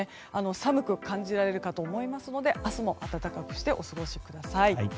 寒く感じられるかと思いますので明日も暖かくしてお過ごしください。